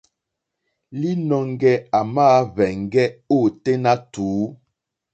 Līnɔ̄ŋgɛ̄ à màá hwēŋgɛ́ ôténá tùú.